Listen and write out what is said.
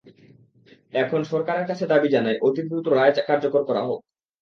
এখন সরকারের কাছে দাবি জানাই, অতি দ্রুত রায় কার্যকর করা হোক।